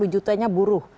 lima puluh jutanya buruh